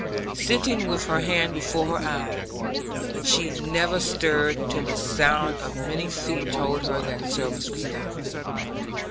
Sitting with her hand before her eyes, she never stirred till the sound of many feet told her that service was done.